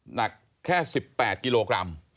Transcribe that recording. หนักแค่๑๘กิโลกรัม